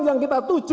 yang kita tuju